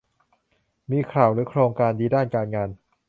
มีข่าวหรือโอกาสดีด้านการงาน